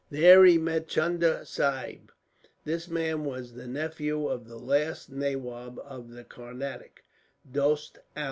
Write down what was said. "There he met Chunda Sahib. This man was the nephew of the last nawab of the Carnatic, Dost Ali.